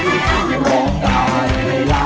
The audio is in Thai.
โง่ในโง่ในโง่ในโง่ใน